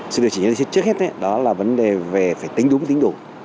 sự điều chỉnh trước hết đó là vấn đề về phải tính đúng tính đủ